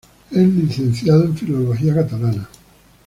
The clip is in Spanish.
Es licenciado en Filología catalana.